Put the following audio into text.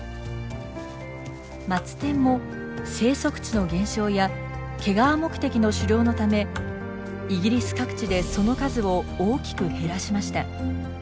マツテンも生息地の減少や毛皮目的の狩猟のためイギリス各地でその数を大きく減らしました。